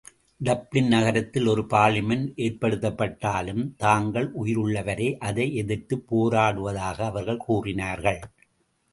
Dublin நகரத்தில் ஒரு parliament ஏற்படுத்தப்பட்டாலும், தாங்கள் உயிருள்ளவரை அதை எதிர்த்துப் போராடுவதாக அவர்கள் கூறினார்கள்.